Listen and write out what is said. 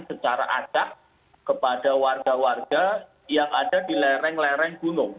secara acak kepada warga warga yang ada di lereng lereng gunung